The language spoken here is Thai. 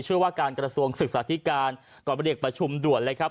ว่าการกระทรวงศึกษาธิการก็เรียกประชุมด่วนเลยครับ